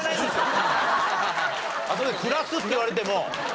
「あそこで暮らす」って言われても。